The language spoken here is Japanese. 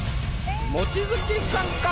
望月さんか？